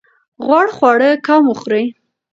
غوړ خواړه کم وخورئ.